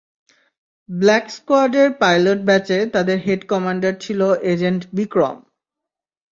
Black স্কোয়াডের pilot ব্যাচে তাদের হেড কমান্ডার ছিল এজেন্ট বিক্রম।